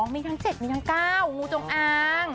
๔๓๘๙๐๒มีทั้ง๗มีทั้ง๙งูจงอาง